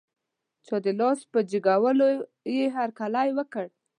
چا د لاس په جګولو یې هر کلی وکړ.